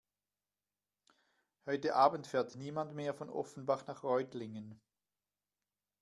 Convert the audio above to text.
Heute Abend fährt niemand mehr von Offenbach nach Reutlingen